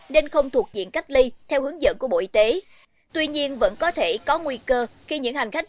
nên không thuộc diện cách ly theo hướng dẫn của bộ y tế tuy nhiên vẫn có thể có nguy cơ khi những hành khách